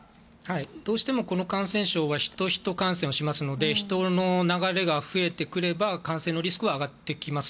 どうしてもこの感染症はヒト‐ヒト感染をしますので人の流れが増えてくれば感染のリスクは上がってきます。